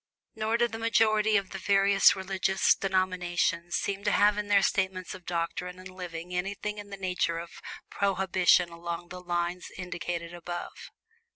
Nor do the majority of the various religious denominations seem to have in their statements of doctrine and living anything in the nature of prohibition along the lines indicated above.